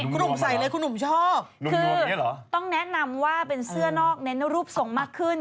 คุณหนุ่มใส่เลยคุณหนุ่มชอบคือต้องแนะนำว่าเป็นเสื้อนอกเน้นรูปทรงมากขึ้น